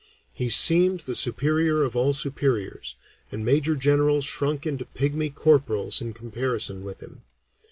He seemed the superior of all superiors, and major generals shrunk into pigmy corporals in comparison with him.